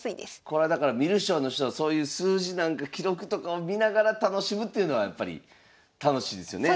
これはだから観る将の人はそういう数字なんか記録とかを見ながら楽しむというのはやっぱり楽しいですよね。